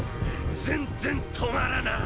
全然止まらなーい！